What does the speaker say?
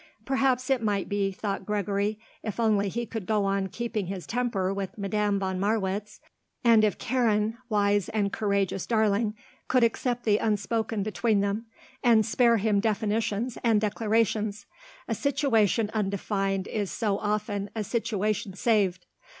Perhaps it might be, thought Gregory, if only he could go on keeping his temper with Madame von Marwitz and if Karen, wise and courageous darling, could accept the unspoken between them, and spare him definitions and declarations. A situation undefined is so often a situation saved.